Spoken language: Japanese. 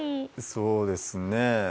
そうですね。